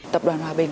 tập đoàn hòa bình